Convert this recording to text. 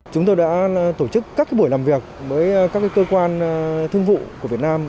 chúng tôi đã tổ chức các buổi làm việc với các cơ quan thương vụ của việt nam